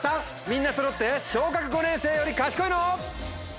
みんなそろって小学５年生より賢いの？